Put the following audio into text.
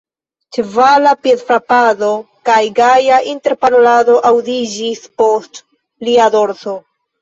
Ĉevala piedfrapado kaj gaja interparolado aŭdiĝis post lia dorso.